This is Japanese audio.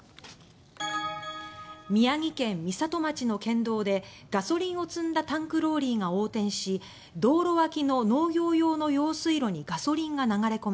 宮城県美里町の県道でガソリンを積んだタンクローリーが横転し道路脇の農業用の用水路にガソリンが流れ込みました。